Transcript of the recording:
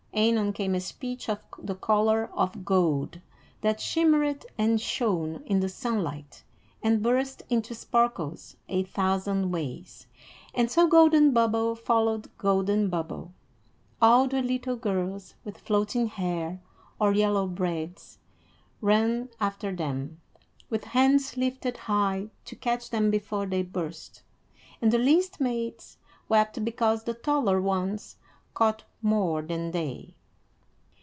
Anon came a speech of the color of gold that shimmered and shone in the sunlight, and burst into sparkles a thousand ways, and so golden bubble followed golden bubble. All the little girls with floating hair or yellow braids ran after them, with hands lifted high to catch them before they burst, and the least maids wept because the taller ones caught more than they.